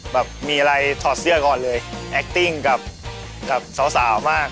แบบมีอะไรถอดเสื้อก่อนเลยแอคติ้งกับสาวมาก